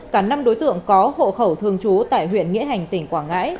cả năm đối tượng có hộ khẩu thường trú tại huyện nghĩa hành tỉnh quảng ngãi